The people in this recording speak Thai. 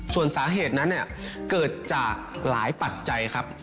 ส่วนสาเหตุนั้นเกิดจากหลายปัจจัยครับ